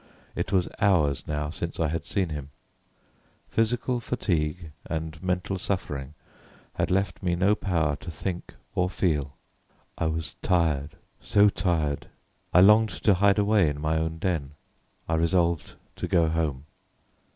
It was hours now since I had seen him. Physical fatigue and mental suffering had left me no power to think or feel. I was tired, so tired! I longed to hide away in my own den. I resolved to go home.